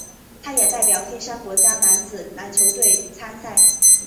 他也代表黑山国家男子篮球队参赛。